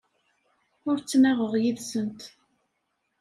Ur ttnaɣeɣ yid-sent.